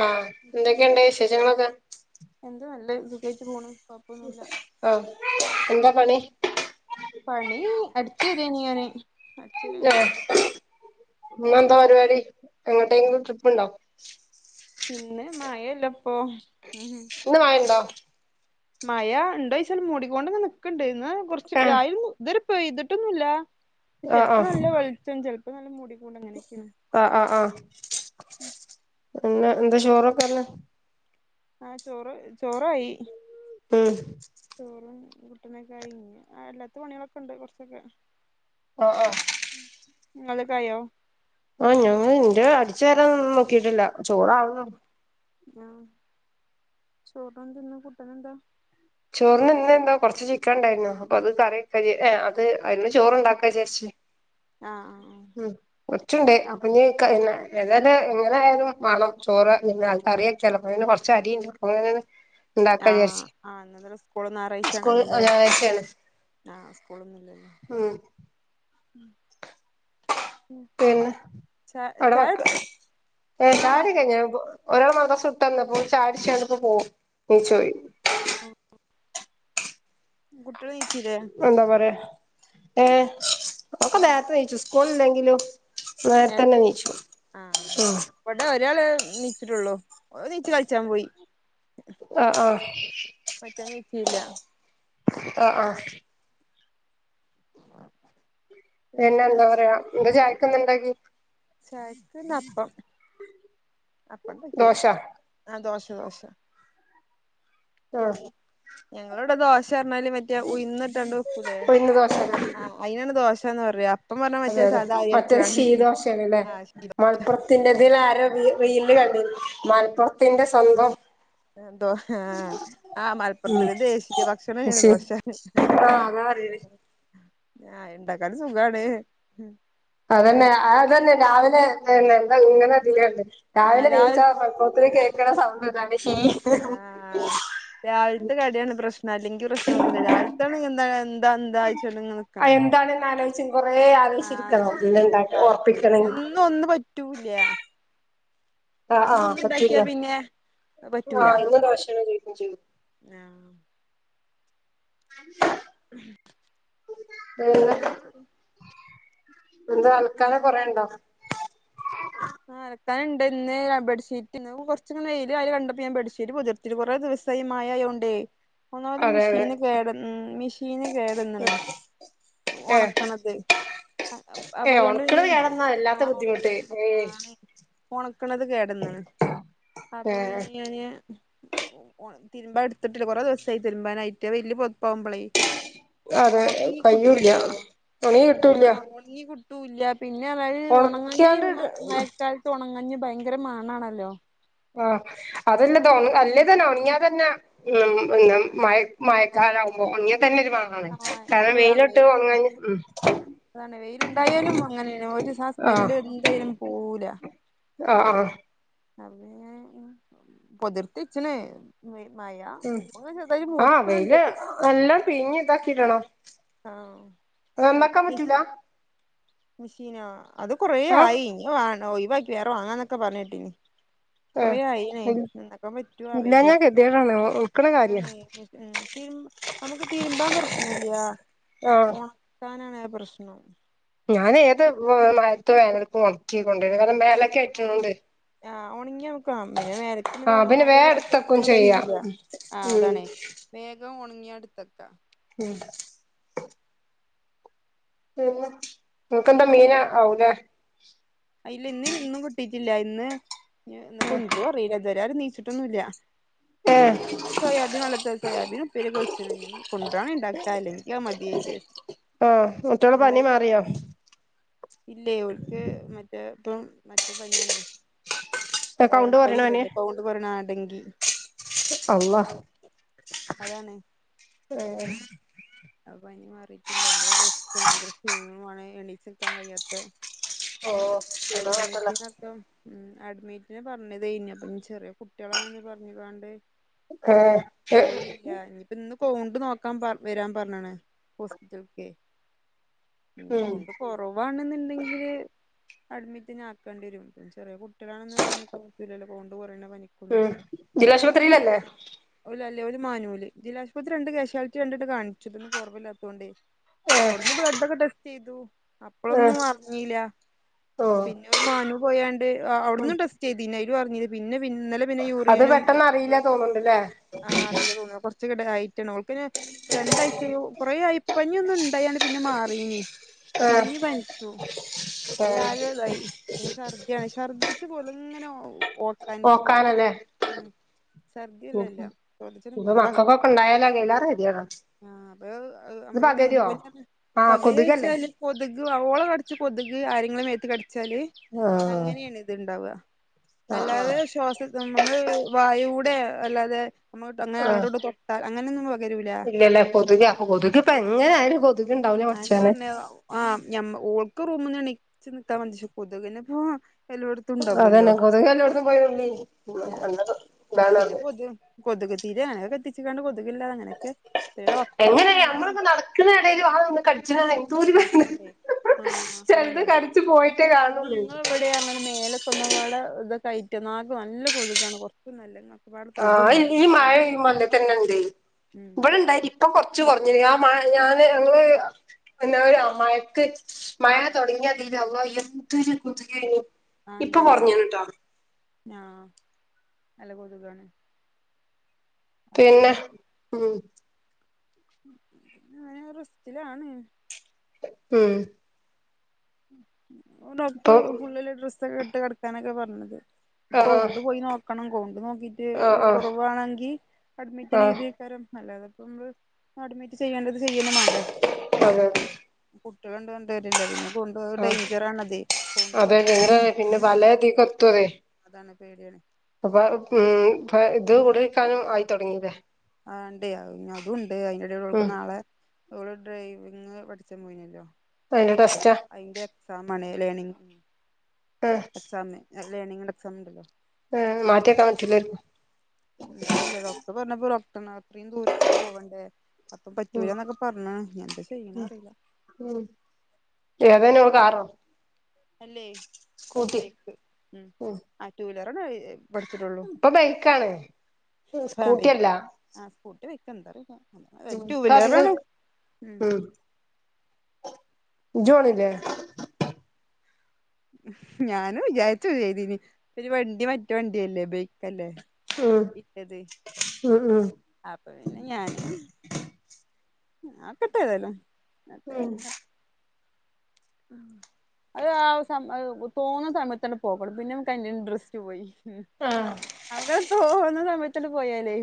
ആഹ എന്തൊക്കെയുണ്ട് വിശേഷങ്ങളൊക്കെ എന്ത് നല്ല സുഖമായിട്ട പോകണം ആഹ എന്താ പണി പണി അടിച്ചു വാരല് തന്നാണ് ആ ഇന്നെന്താ ഉം പരിപാടി എങ്ങോട്ടെങ്കിലും ട്രിപ്പ് ഉണ്ടോ ഇന്ന് മഴല്ലപ്പൊ ഉ ഇന്ന് മഴണ്ടോ മഴ ഉണ്ടോ ച്ചല മ മുടികൊണ്ട നിക്കണ്ട് ഇന്ന് കുറച്ച് വ ആഹ് ഇതുവരെ പെയ്തിട്ടൊന്നുമില്ല ആഹ് ചെലപ്പോ ആഹ് നല്ല വെളിച്ചം ചെലപ്പോ നല്ല മുടികൊണ്ടും അങ്ങനെയൊക്കെയാണ് ആ ആ് ആഹ പിന്നെ എന്താ ചോറൊക്കെന്നെ ആഹ ചോറ് ചോറായി ഉം ചോറും കുട്ടനൊക്കെ ആയി അല്ലാത്ത പണികളൊക്കെ ഉണ്ട് കുറച്ചൊക്കെ ആഹ് ആഹ് ഇങ്ങൾക്കായോ ആഹ ഞങ്ങ ന്റെ അടിച്ചു വ രാംന്നും നോക്കിട്ടില്ല ചോറാവുന്നു ആഹ ചൊറിനെന്താ കൂട്ടനെന്താ ചോറിന് നിന്ന എന്താ കൊറച്ച് ചിക്കൻ ഉണ്ടായിരുന്നു അപ്പൊ അത് കറിയക്കാ ഏ അത് അതിരുന്നു ചോറുണ്ടാക്കാ വി ചേച്ചേ ആഹ് ആഹ് ഉം കുറച്ചുണ്ട് അപ്പൊ ഇനി ഏതായാലും എങ്ങനെ ആയാലും വേണം ചോറ് നിന്നെ ആൾക്ക അറിയ ചിലപ്പോ കൊറച്ച് അരി ഉണ്ട് അപ്പെ ഉണ്ടാക്ക വിചാരിച്ച ആഹ് ആഹ് സ്കൂള ഒന്ന് ഞാറായ്ച ആണ് ലെ ഞായറാഴ്ചയാണ് ആഹ് സ്കൂളൊന്നുംല്ലല്ലോ ഉം പിന്നെ ച അവിടെ ചായ വക്ക് കുടിച്ച് ആ മ [unintelligible] ഓരാള് മദ്രസ വിട്ടാന്നപ്പോ ചായകുടിച്ച്ക്കാണ്ട് ഇപ്പം പോവും നീചോയ് കുട്ട്യാള് നീച്ചീല്ലേ? എന്താ പറയാ ഏഹ് ഒക്കെ നേരത്തെ നീച്ചും സ്കൂള് ഇല്ലെങ്കിലും നേര്ത്തന്നെ നീച്ചും ഉം വടെ ഒരാള് നീച്ചിട്ടുള്ളൂ ഓൻ നീച്ച് കളിച്ചാൻ പോയി ആഹ് ആഹ് മറ്റോം ന്നിച്ചില്ല ആഹ് ആഹ് ആഹ് പിന്നെ എന്താ പറയാ എന്താ ചായക്ന്ന് ഇണ്ടാക്കെ ചായക്ക്ന്ന് അപ്പം അപ്പണ്ടാക്കിണ് ദോശ ആഹ് ദോശ ദോശ ആഹ് ഞങ്ങളെ ഇവടെ ദോശ പർഞ്ഞാല് മറ്റെ ഉയ്ന്ന്ട്ടാണ്ട് വെക്കൂലേ ഉഴുന്ന് ദോശല്ലേ ആഹ് അയിനാണ് ദോശാന്ന് പറയാ അപ്പം പർഞ്ഞാ അതെ മറ്റേ അതെ സാദാ ആരി മറ്റേത് അരച്ച്കാണ്ട് ആഹ് [unintelligible] ത്തിന്റെതില് ആരോ വി റീല് കണ്ട്ണ് മലപ്പുറത്തിന്റെ സ്വന്തം ന്തോ ആഹ് ആഹ് മലപ്പുറത്തിന്റെ ദേശീയ ഭക്ഷണാണ് ശി ദോശ ആഹ് അതാ പറയണേ ഞാ ഇണ്ടാക്കാനും സുഖാണ് അതന്നെ അതന്നെ രാവിലെ എന്താ ഇങ്ങനെതില്ലണ്ട് ആ രാവിലെ നീച്ച രാവിൽ [unintelligible] കേൾക്ണ സൗണ്ട് ഇതാണ് ച്ചീ ആഹ് രാവിൽത്തെ കടിയാണ് പ്രശ്നം അല്ലെങ്കി പ്രശ്നോന്നുല്ല രാവിൽത്താണെങ്കി എന്താ ന്താ ന്താച്ചോയ്ച്ചോണ്ട്ങ്ങനെ നിക്കണെ ആഹ് എന്താണെന്ന് ആലോചിച്ച് കൊറേ ആ ആലോചിച്ചിരിക്കണം ഇന്ന് നിക്കും ഇണ്ടാക്കി രാവിൽത്തെ ഒറപ്പിക്കണെങ്കി എന്ന് ഒന്ന് പറ്റൂല്ല ആഹ് എന്നും ആഹ് ഒന്ന് പറ്റില്ല ഇണ്ടാക്കിയാ പിന്നെ പറ്റൂല ആഹ് ഇന്ന് ദോശയാണ് കഴിക്കും ചെയ്യും ആഹ് [unintelligible] പിന്നെന്തെക്കെ? എന്താ അലക്കാന് കൊറേണ്ടോ? ആഹ് അലക്കാന്ണ്ട് ഇന്ന് ബെഡ്ഷീറ്റ്ന്ന് ഇന്ന് കോർച്ച് വെയില് [unintelligible] കണ്ടപ്പോ ഞൻ ബെഡ്ഷീറ്റ് പോൻ ത്തിരി കോറെ ദിവസായി മഴ ആയോണ്ടെ ഒന്നാമത് അതെ അതെ മെഷീന് കേട ഉം മെഷീന് കേടന്ന്ണ് ഏഹ് ഒണക്ണത് ഏ അപ്പൊ അതൊണ്ട് പിന്നെ ഒണക്കണത് കേടന്നാ വല്ലാത്ത ആഹ് ഒ ബുദ്ധിമുട്ട് ഏ ആണെ ഒണക്ണത് കേടന്ന്ണ് അപ്പ ഏ പിന്നെ ഞാന് തിരുമ്പാ എടുത്തിട്ടില്ല കോറെ ദിവസായി തിരുമ്പാനായിട്ട് വെല്യ പോതപ്പകുമ്പളേ അതെ കഴൂല്ല ഒണങ്ങി കിട്ടൂല്ല ണങ്ങി കിട്ടൂല്ല പിന്നെ അതായത് ഒണങ്ങാഞ്ഞ ഒണക്കിയാണ്ട് ക്കാലത്ത് ഒണങ്ങാഞ്ഞ ഭയങ്കര മണാണല്ലോ? ആഹ് അതല്ലത് ആഹ് അല്ലേ തന്നെ ഒണങ്ങിയാ തന്നെ ഉം മഴ മഴ ക്കാലാവുമ്പോ ഒൺങ്ങിയാ തന്നെ ഒരു മണം ആഹ് ഒരു [unintelligible] ഉം അതാണ് വെയില് ഇണ്ടായാലും അങ്ങനെന്നെ ഒരു സ സ്മെല്ല് എന്തായാലും പോവൂല ആഹ് ആഹ് അതേ ഞാൻ പൊതിർത്തി വെച്ച്ണ് മഴ ഇപ്പങ്ങനെ ചെറ്തായി മൂടിക്ണ് ണ്ട് എല്ലാം പിഞ്ഞ് ഇതാക്കിടണം ണ്ട് ആഹ് നന്നാക്കാൻ പറ്റൂല മെഷീനാ അത് കൊറെ ആ ആയി ഇനി വാ ഒഴിവാക്കി വേറെ വാങ്ങാന്നൊക്കെ പർഞ്ഞെട്ടിനി ഏ കൊറെ ആയില്ലേ നന്നാക്കാൻ പറ്റൂ അറിയില്ല ഇല്ലാഞ്ഞാ ഗതികേടാണ് ഒണക്കണ കാര്യാ അതാണെ [unintelligible] ഉം തിരു നമ്മക്ക് തിരുമ്പാൻ പ്രശ്നല്ല ആ ഓ ക്കാനാണെ പ്രശ്നം ഞാന് ഏത് [unintelligible] ഒണക്കി കൊണ്ട് വരും കാരണം മേലൊക്കെ ആയിട്ട്ണ്ട് ആഹ് ഒണങ്ങിയ [unintelligible] പിന്നെ വേനക്കും ആ പിന്നെ വേ ഒണങ്ങാതെ എടുത്തക്കും [unintelligible] ചെയ്യാം കയ്യൂല ആഹ് ഉം അതാണേ വേഗം ഒണങ്ങിയ അടുത്തക്ക മ്ഹ് പിന്ന നിങ്ങക്കെന്താ മീന് ആവൂലേ അയ് ഇല്ല ഇന്ന് ഇന്നും കിട്ടീട്ടില്ല ഇന്ന് ഇന്ന് കൊണ്ട് വരൂ അറിയില്ല ഇതു വരെ ആരും എനീച്ചി റ്റൊന്നുല്ലാ ഏ ഞാൻ സോയാബീൻ [unintelligible] സോയാബീൻ ഉപ്പേരിയൊക്കെ വെച്ച് [unintelligible] കൊണ്ട് വരണെങ്കി ഇണ്ടാക്കാല്ലോ അല്ലെങ്കി അത് മതിയെന്ന് വിചാരിച്ച് ആഹ് മറ്റൊള പനി ഇണ്ടായില്ല മാറിയാ ഇല്ലേ ഇവൾക്ക് മറ്റേ ഇപ്പം മറ്റേ പനിയാണേ കൗണ്ട് വേറൊരു പനി കുറയണ പനിയാ ഇണ്ടല്ലേ കൗണ്ട് കുറഞ്ഞ ആഹ് ഡെങ്കി അള്ളാ അതാണ് ആഹ് അപ്പ പനി മാറിയിട്ടില്ല ഭയങ്കര [unintelligible] ഭയങ്കര ക്ഷീണമാണ് എണീച്ച് നിക്കാൻ കഴിയാത്ത ഓ എന്താ കുഴപ്പല്ല അഡ്മീറ്റ് [unintelligible] ഉം അഡ്മിറ്റിന് പറഞ്ഞതായിരുന്നു അപ്പം ചെറിയ കുട്ടികളാണന്ന് പറഞ്ഞുംങ്ങാണ്ട് [unintelligible] ഇല്ല ഇനിയിപ്പ ഇന്ന് കൗണ്ട് നോക്കാൻ പർ വെരാൻ പറഞ്ഞാണ് ഹോസ്പിറ്റൽക്കേ ഇനി ഉം കൗണ്ട് കൊറവാണ്ന്ന്ണ്ടെങ്കില് അഡ്മിറ്റന്നെ ആക്കേണ്ടി വരും ചെറിയ കു ട്ട്യളാണെന്ന് പറഞ്ഞ പറ്റൂലല്ലോ കൗണ്ട് കൊറയണ പനി ഉം ജില്ലാശുപത്രിയിലല്ലേ ഓല് അല്ലെ ഓര് മാനൂല് ജില്ല ആശുപത്രിണ്ട് കാഷ്യാലിറ്റി രണ്ട് വട്ടം കാണിച്ചതൊന്നും കൊറവില്ലാത്തോണ്ടേ ഏ അവിടുന്ന് ബ്ലഡൊക്കെ ടെസ്റ്റെയ്‌തു ഏ അപ്പളൊന്നും അറിഞ്ഞീല ഓ പിന്നെ ഓല് മാനു പോയാണ്ട് അ ഉം അവിടുന്നും ടെസ് റ്റ് ചെയ്തീന് അയില് പറഞ്ഞത് പിന്നെ പിൻ ഇന്നലെ പിന്നെ യൂറിയനും ബ്ലഡൊ ണ്ട്ല്ലേ ആഹ് അറിയില്ല തോന്നണു കൊറച്ച് ക്കൂട ആയിട്ടാണ് അവൾക്ക് പിന്നെ രണ്ടാഴ്ച കൊറേ ആയി പനി ഒന്ന് ഉണ്ടായാണ് പിന്നെ മാറീന് ഏ പിന്നേം പനിച്ചു ഏ അയിലാകെ ഇതായി പിന്നെ ശർദ്ദിയാണ് ശർദ്ദിച്ചു കൊളുങ്ങനൊ ഓർക്കാനിച്ചോണ്ട് നിക്കണ് ഓക്കാനല്ലേ ഉം ശർദ്ധി പിന്നെ ഇല്ല ഇനീപ്പൊ മക്കക്കൊക്ക ഇണ്ടായ [unintelligible] എല്ലാരെ ഗതീം അതാ ആഹ് അപ്പൊ അമ്മളീ ഡെങ്കിപനി പറഞ്ഞാ ആഹ് പകരൂ കൊതുകല്ലേ വെച്ചാല് കൊതുക് ഓള കടിച്ച കൊതുക് ആരെങ്കിലും മേത്ത് കടിച്ചാല് ആഹ് അങ്ങനേണ് ഇത്ണ്ടാവുക ആഹ് അല്ലാതെ ആഹ് ശ്വാസ ഇത് നമ്മ അമ്മൾ വായൂടെ അല്ലാതെ നമ്മ തൊട്ട അങ്ങനെ ആഹ് അങ്ങോട്ടും ഇങ്ങോട്ടും തൊട്ടാൽ അങ്ങനെ ഒന്നും [unintelligible] ഇല്ലല്ലേ കൊതുക് അപ്പ കൊതുകിപ്പൊ എങ്ങനെ കൊതുക് ആയാലും കൊതുക് ഇണ്ടാവൂലെ അതെന്നെ പടച്ചോനെ പറഞ്ഞെ ആഹ് ഞമ്മ ഓൾക്ക് റൂമിന്ന് എണീച്ച് നിക്കാൻ [unintelligible] കൊതുകിനിപ്പൊ എല്ലോടുത്തും ഉണ്ടാവൊല്ലോ അതന്നെ കൊതുക് പിന്നെ കൊതു എല്ലോടത്തും പോയി ഉള്ളി പതു ആഹ് നല്ലത് ഇതാണ് പിന്നെ കൊത് കൊതുക് തിരി അങ്ങനെയൊക്കെ കത്തിച്ച്ങ്ങാണ്ട് കൊതുകില്ലാതെ അങ്ങനെയൊക്കെ [unintelligible] ഡോക്ടർ വന്നു നല്ലോണം ക്ക്ന്ന എടേല് അതൊന്നു [unintelligible] പഠിച്ചുണ ആഹ് അതണേ കടിച്ചു പോയിട്ടേ പിന്നെ കാണുള്ളൂ ഞങ്ങൾ എവിടെ റഞ്ഞല് മേലെ സ് പാടെ ഇതൊക്കെ ആയിട്ട നക്ക് നല്ല കൊതുക്കാണ് ക ഇപ്പ ല്ല [unintelligible] ആഹ് ഈ മഴ മല തന്നെ ഇണ്ട് ഉം ഇവിടെ ഇണ്ടായി ഇപ്പം കൊറച്ച് കുറഞ്ഞ ഞ ഞാാന് ഞങ്ങള് എന്താ ഒരു ആ മയക്ക് മഴ തുടങ്ങിയ ദീല് അള്ളാ എന്താെരു കാെത് കെനി ആണ്ടേ ആഹ് നല്ല ക തുകാണ് പിന്നെ ഉ ഞനെ റസ്റ്റിലാണ് ഉം ഡോക്ടർ ഇപ്പൊ ഫുള്ളില് ഡ്രസ്സൊക്കെ ഇട്ട് കിടക്കാനൊക്കെ പറഞ്ഞത് ഇപ്പൊ ആഹ് കൗണ്ട് പോയി നോക്കണം കൗണ്ട് നോക്കീട്ട് ആഹ് കൊറവാണങ്കി ആഹ് കുറവാവാണെങ്കിൽ അഡ്മിറ്റിനെ ആഹ് എഴുതിയക്കാരം അല്ലാത ഇപ്പം അഡ്മിറ്റ് ചെയ്യേണ്ടത് ചെയ്യന്ന മാണ്ടേ ആഹ് അതെ കുട്ടികൾണ്ട് രണ്ട് കാര്യല്ല പിന്നെ ആഹ് ഡേഞ്ചറാണ്തെ കൗണ്ട് അതെ കൊറിണ പനി നിങ്ങള് പിന്നെ ഡേഞ്ചറ പലതീക്ക് എത്തുവേ അതാണ് പേടിയാണ് അപ്പൊ ഉ ഇ ഇത് കൂടുയിക്കാനും ആയിത്തൊടങ്ങിയല്ലേ ആഹ് ഇണ്ടേ അതും ഉണ്ട് അയിന്റെടടെ ഓൾക്ക് ഉം നാളെ അവള് ഡ്രൈവിങ് പഠിച്ചാൻ പോയിനല്ലോ അതിന്റെ ടെസ്റ്റ അതിന്റെ എക്സാ ആണ് ലേണിംഗ ആഹ് എക്സാം ലേണിംഗന്റെ എക്സാം ഉണ്ടല്ലോ ആഹ് മാറ്റേ കമറ്റിലക്ക എന്താറിയില്ല ഡോക്ടർ പറഞ്ഞപ്പോ ഡോക്ടറിന് ഇത്രയും ദൂരത്തേക്ക് പോകണ്ടേ അപ്പം ഉം പറ്റൂല്ലന്നൊക്കെ പറഞ്ഞിണ് എന്താ ചെയ്യണ അറിയില്ല ഉം ഏതാന കാറോ അല്ലേ സ്കൂട്ടി ബേക്ക് ഉം ആ ടു വീലറ പഠിച്ചിട്ടുള്ളൂ ഇപ്പൊ ബൈക്കാണ് സ്കൂട്ടിയല്ല ആ സ്കൂട്ടി വെക്ക് എന്താ അറിലാ ഉം ടു ഇപ്പ വീലറ അധികം ആണ് ഉം ജ് പോണിലേ ഞാനൻ വിചാരിച്ചു്തിനി ഒരു വണ്ടി മറ്റേ വണ്ടിയല്ലേ ബേക്ക്ല്ലേ ഉം ഇട്ടത് ഉം ഉം അപ്പൊ പിന്നെ ഞാനും ആ നോകട്ടതലും മറ്റേ ഉം ആഹ് അത് ആ സ തോന്നുന്ന സമയത്ത് തന്നെ പോകപ്പെടും പിന്നെ നമക്ക് അതിന്റെ ഇൻ്രസ്റ്റ് പോയി ആഹ് നമക്ക് തോവന്ന സംഭയിച്ചിട്ട് പോയല്ലേ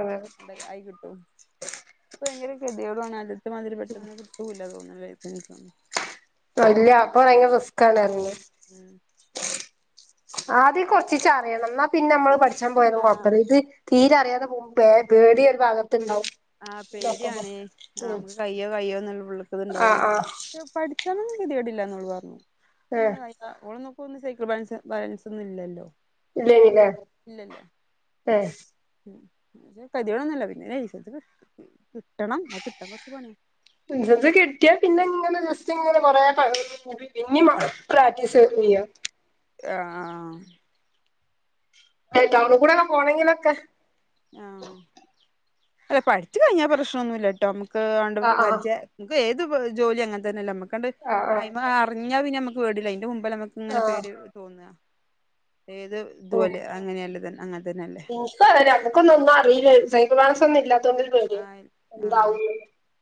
അതെ എ ആയി കിട്ടും ഇ ഭയങ്കര കെത്യെടാണ് അതിത്തെ മാതിരി പെട്ടെന്ന് കിട്ടൂല്ല തോന്നുന്ന ലൈസൻസ് ഇല്ല അപ്പൊ ഭയങ്കര റിസ്ക് ആണ് പറഞ്ഞു ഉം ആത് കൊറച്ചച്ച് അറിയണം എന്നാ പിന്നെ നമ്മള് പഠിച്ചാൻ പോയത് കൊപ്പ ആഹ് ഇത് തീര അറിയാതെ പോവുമ്പേ പേടിയ ഒരു ഭാഗത്തുണ്ടാവും ആഹ് പേടിയാണേ ആഹ് നമുക്ക് കയ്യോ കയ്യോ നല്ല ആഹ് ഉള്ളക്കത്ണ്ടാവും ആഹ് പഠിച്ചാന്നൊന്നും കെതേടില്ല എന്ന ഓള് പറഞ്ഞു ഏഹ് ആ ഓൾകൊന്നും നോക്കന്ന് സൈക്കിൾ ബാലൻസ് ബാലൻസ് ഒന്ന ഇല്ലല്ലോ ഇല്ല ഇല്ല ഇല്ല ഇല്ല ആഹ് ഉം കതിവണൊന്നുംല്ല പിന്നെത് കിട്ടണം അത് കിട്ടാൻ കൊറച്ചു പണിയാ ത് കിട്ടിയ പിന്നെ ഇങ്ങനെ ജസ്റ്റ് ഇങ്ങനെ കൊറേ പിന്നെം പ്രാക്ടീസ് ചെയ്യാം ആഹ് ടൗണിക്കൂടൊക്കെ പോണങ്കിലൊക്കെ ആഹ് അല്ല പഠിച്ചു കഴിഞ്ഞാ പ്രശ്നൊന്നുല്ലാട്ടോ നമ്മക്ക് അണ്ട് ആഹ് ആഹ് പരിജയ നമ്മക്ക് ഏത് ജോലി അങ്ങനെ തന്നെയല്ലേ നമ്മക്കണ്ട് ആഹ് ആഹ് അയ്മ അറിഞ്ഞാൽ പിന്നെ നമ്മക്ക് പേടില്ല അയിന്റെ മുമ്പിലങ്ങ് ഇങ്ങനെ ആഹ് പേടി തോന്നുവാ ഏത് ഇതുവലെ അങ്ങനെയല്ലന്നെ അങ്ങനെ തന്നെയല്ലേ. ഒക്കെ അതന്നെ അമക്കൊന്നും അറീല്ല സൈക്കിൾ ബാലൻസ്സൊന്നും ഇല്ലാത്തോണ്ട്. ആഹ് ആഹ്.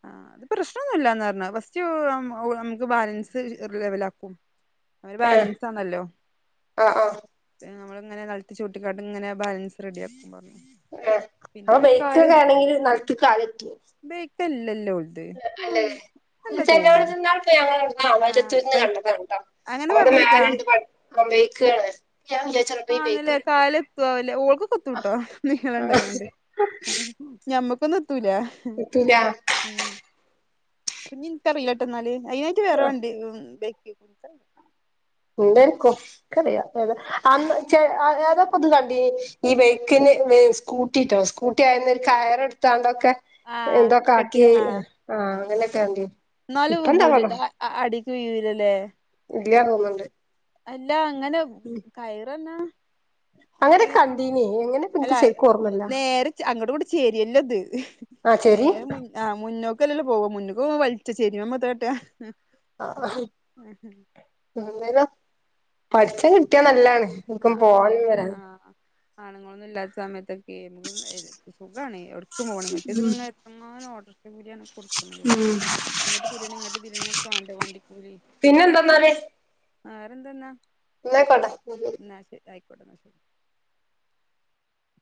ആഹ് അത് പ്രശ്നൊന്നുല്ലാന്നാ പറഞ്ഞെ ഫസ്റ്റ് നമുക്ക് ബാലൻസ് ലെവലാക്കും. അവര് ഏഹ് ബാലൻസ് തന്നല്ലോ ആഹ് ആഹ് അത് നമ്മള് ഇങ്ങനെ കളി ച്ചൂട്ടിക്കാണ്ട് ഇങ്ങനെ ബാലൻസ് റെഡി ആക്കും പറഞ്ഞു. ആഹ് പിന്നെ അപ്പൊ ഇങ്ങനെ കാല് ബൈക്കൊക്കെ ആണെങ്കിൽ നിലത്ത്ക്ക് കാലെത്തുവോ. ബേക്കല്ലല്ലോ. ആഹ് അല്ലെ. അല്ല ചെലവിട് തോന്ന്ണ് തിന്നാൻ പോയി അങ്ങനെ ആഹ് മറ്റത്തൂരുന്ന് ബൈക്ക് കണ്ടതാണ് കേട്ടോ അങ്ങനെ അവിടെ പറഞ്ഞേക്കാ മേലുണ്ട്. [unintelligible] ആണല്ലെ ബൈക്കൊക്കെ ഇങ്ങനെ കാല് എത്തോ ആവല്ലേ ഓൾക്ക് എത്തുട്ടോ ആഹ് നീളുണ്ടായോണ്ട്. ഞമ്മക്കൊന്നും എത്തൂല. എത്തൂല്ല. ഉം ഇഞ്ഞി എനിക്കറില്ലാട്ടെന്നാല് അയിതിനായിട്ട് വേറെ വണ്ടിണ്ട് ബൈക്ക്. ഉണ്ടേര്ക്കും. കറിയ അത് അന്ന് ഏതാ ഇപ്പൊന്ന് കണ്ടിന് ഈ ബൈക്കിന്. സ്കൂട്ടിട്ടോ സ്കൂട്ടി ആയന് ഒരു കയറ് എടുത്താണ്ടൊക്കെ. ആഹ് എന്തൊക്കെ ആക്കി കെട്ടിക ആഹ് ആഹ് അങ്ങനെയൊക്കെ ഇപ്പ എന്താവോ. ആഹ് ആഹാ അടിക്ക്യൂരല്ലേ. ഇല്ല്യാ തോന്നുന്നുണ്ട്. അല്ല അങ്ങനെ. ഉം കയറന്ന അത്രയും കണ്ടീനി എങ്ങനെ അല്ല എനിക്ക് ശരിക്കും ഓർമ്മല്ല നേരെ അങ്ങോടും ഇങ്ങോട്ടും ചേരുവല്ലോ അത്. ആഹ് ശെരി. ആഹ് മുന്നോക്കല്ലെള്ളു പോക മുന്നക്ക് പോകുമ്പോ വലിച്ച് ചെരിമാ എന്താകാട്ടാ. ആഹ് എന്തായലും പഠിച്ചാൻ കിട്ടിയാൽ നല്ലാണ്. എവ്ട്ക്കും ആഹ് പോവാനും അതില്ലാണ്ടിയേനു വരാനും ആഹ് ആണുങ്ങളൊന്നും ഇല്ലാത്ത സമയത്തൊ ക്കെ സുഖാണ് എവിട്ക്കും പോണില്ല മറ്റേത് ഇങ്ങനെ എത്ര ഓർഡർ. കൂലിയാണ് കൊടുക്കുന്നത് ഇങ്ങട്ട് തിരിയാനും ഇങ്ങട് തിരിയാനൊക്കെ വേണ്ടേ വണ്ടിക്കൂലി. എന്തന്നാല്. വേറെന്തോന്നാ. എന്നായ്ക്കോട്ടെ. എന്നാ ശെരി ആയിക്കോട്ടെ എന്നാ ശെരി.